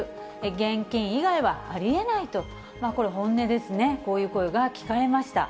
現金以外はありえないと、まあ、これ本音ですね、こういう声が聞かれました。